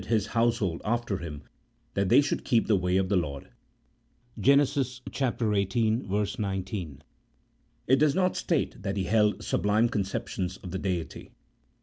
his household after him that they should keep the way of the Lord " (G en. xviii. 19) ; it does not state that he held sublime conceptions of the Deity.